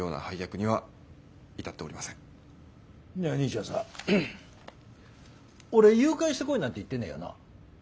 にいちゃんさ俺誘拐してこいなんて言ってねえよな？